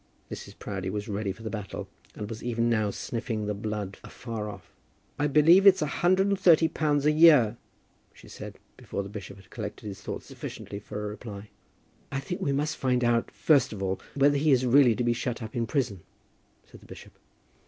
Mrs. Proudie was ready for the battle, and was even now sniffing the blood afar off. "I believe it's a hundred and thirty pounds a year," she said, before the bishop had collected his thoughts sufficiently for a reply. "I think we must find out, first of all, whether he is really to be shut up in prison," said the bishop.